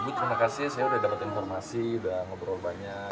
ibu terima kasih saya sudah dapat informasi udah ngobrol banyak